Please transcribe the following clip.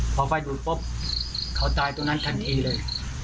พอไฟดูดปุ๊บเขาตายตรงนั้นทันทีเลย